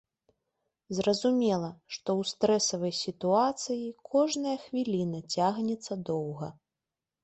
Зразумела, што ў стрэсавай сітуацыі кожная хвіліна цягнецца доўга.